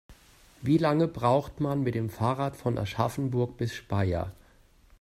Wie lange braucht man mit dem Fahrrad von Aschaffenburg bis Speyer?